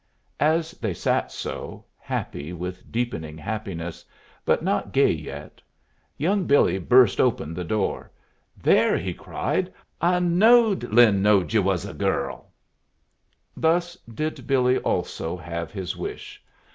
As they sat so, happy with deepening happiness, but not gay yet, young Billy burst open the door. "There!" he cried. "I knowed Lin knowed you were a girl!" Thus did Billy also have his wish.